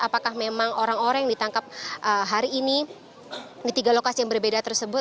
apakah memang orang orang yang ditangkap hari ini di tiga lokasi yang berbeda tersebut